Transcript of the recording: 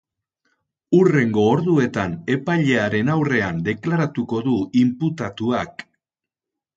Hurrengo orduetan epailearen aurrean deklaratuko du imputatuak.